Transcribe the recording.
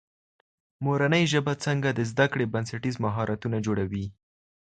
مورنۍ ژبه څنګه د زده کړې بنسټيز مهارتونه جوړوي؟